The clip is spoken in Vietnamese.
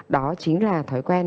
đó chính là thói quen